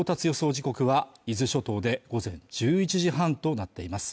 時刻は伊豆諸島で午前１１時半となっています